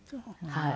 はい。